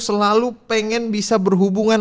selalu pengen bisa berhubungan